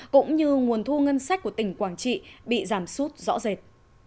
cũng như nguồn thu ngân sách của tỉnh quảng trị bị giảm sút rõ rệt